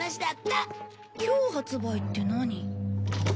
今日発売って何？